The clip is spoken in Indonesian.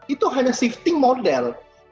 itu hanya shifting model